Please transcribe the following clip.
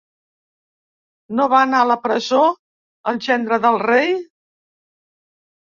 No va anar a la presó el gendre del rei?